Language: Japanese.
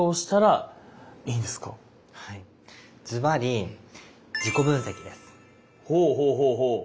ずばりほうほうほうほう。